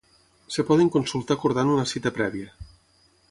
Es poden consultar acordant una cita prèvia.